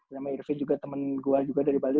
nama irvi juga temen gue juga dari bali